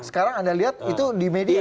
sekarang anda lihat itu di media